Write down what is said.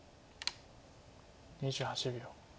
２８秒。